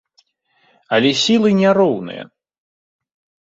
Але сілы не роўныя.